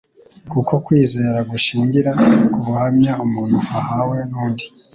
kuko kwizera gushingira ku buhamya umuntu ahawe n'undi.